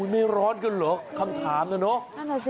ไม่ร้อนกันหรอกคำถามน่ะเนาะ